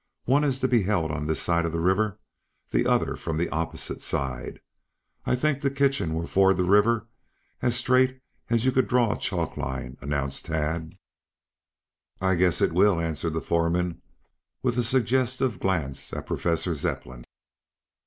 One is to be held on this side of the river, the other from the opposite side. I think the kitchen will ford the river as straight as you could draw a chalk line," announced Tad. "I guess it will," answered the foreman, with a suggestive glance at Professor Zepplin.